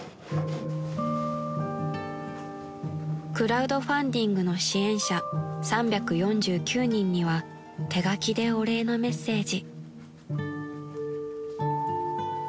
［クラウドファンディングの支援者３４９人には手書きでお礼のメッセージ］